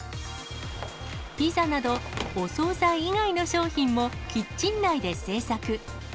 ピザなど、お総菜以外の商品も、キッチン内で製作。